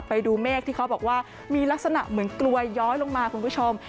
ไปดูเมฆที่เขาบอกว่ามีลักษณะเหมือนกลวยย้อยลงมาคุณผู้ชม